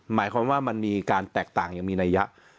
หมายความว่ามันมีการแตกต่างอย่างมีนัยยะ